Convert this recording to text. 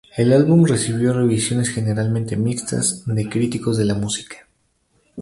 El álbum recibió revisiones generalmente mixtas de críticos de la música.